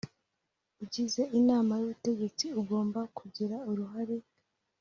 Ugize inama y ubutegetsi agomba kugira uruhare